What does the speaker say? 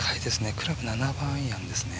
クラブ７番アイアンですね。